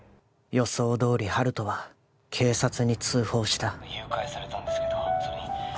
予想どおり温人は警察に通報した誘拐されたんですけど